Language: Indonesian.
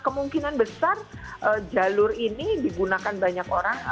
kemungkinan besar jalur ini digunakan banyak orang